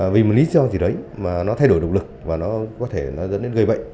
vì một lý do gì đấy mà nó thay đổi động lực và nó có thể nó dẫn đến gây bệnh